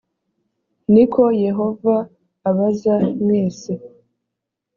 ni ko yehova abaza mwese